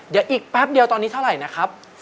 เดี๋ยวอีกแป๊บเดียวตอนนี้เท่าไหร่นะครับ